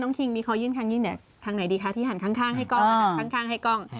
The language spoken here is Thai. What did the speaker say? น้องคิงนี่คอยื่นคางยื่นทางไหนดีคะที่หันข้างให้กล้อง